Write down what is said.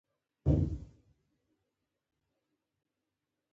د سیاسي بنسټونو په تاریخ پورې به اړه ولري.